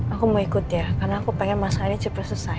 aku mau ikut ya karena aku pengen masalahnya cepet selesai